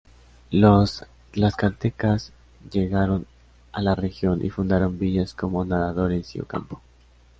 Los Tlaxcaltecas llegaron a la región y fundaron villas como Nadadores y Ocampo.